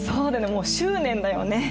もう執念だよね。